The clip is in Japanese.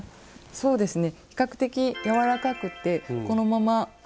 そうですね。